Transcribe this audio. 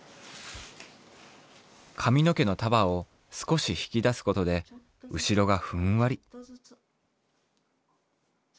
髪の毛の束を少しひき出すことでうしろがふんわり。